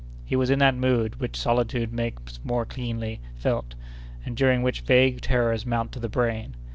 He was in that mood which solitude makes more keenly felt, and during which vague terrors mount to the brain.